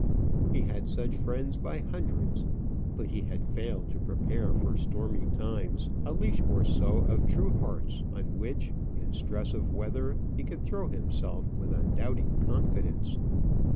He had such friends by hundreds; but he had failed to prepare for stormy times a leash or so of true hearts on which, in stress of weather, he could throw himself with undoubting confidence.